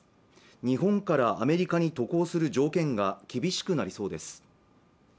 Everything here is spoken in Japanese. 日本からアメリカに渡航する条件が厳しくなりそうです